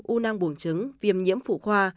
u năng buồng trứng viêm nhiễm phụ khoa